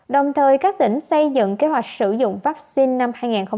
đồng thời các tỉnh xây dựng kế hoạch sử dụng vaccine năm hai nghìn hai mươi